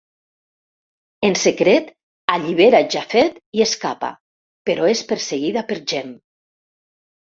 En secret allibera Japhett i escapa, però és perseguida per Jem.